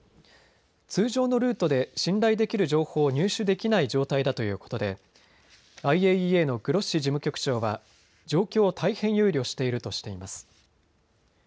通常のルートで信頼できる情報を入手できない状態だということでＩＡＥＡのグロッシ事務局長は状況を大変憂慮しているとしています。